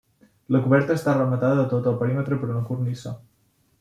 La coberta està rematada a tot el perímetre per una cornisa.